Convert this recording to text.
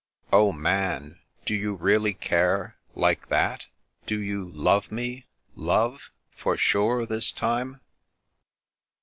" Oh, Man, do you really care — ^like that ? Do you love me — ^lovc ' for sure ' this time